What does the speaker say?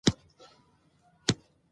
چې دا کار د دې ليکنې له حوصلې راوتې